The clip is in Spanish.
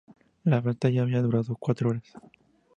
La batalla había durado cuatro horas.